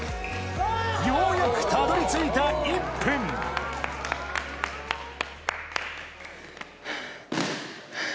ようやくたどり着いた１分はぁはぁ。